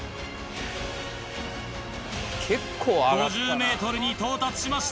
５０ｍに到達しました。